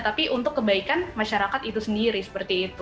tapi untuk kebaikan masyarakat itu sendiri seperti itu